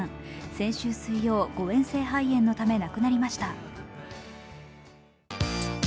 先週水曜、誤えん性肺炎のため亡くなりました。